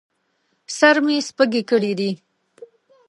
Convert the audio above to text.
سر مې سپږې کړي دي